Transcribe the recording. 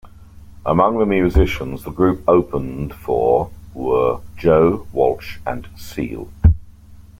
Among the musicians the group opened for were Joe Walsh and Seal.